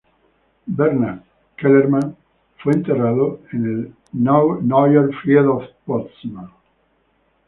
Bernhard Kellermann fue enterrado en el Neuer Friedhof Potsdam.